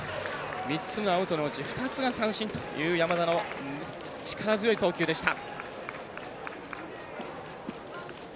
３つのアウトのうち２つが三振という山田の力強い投球でした。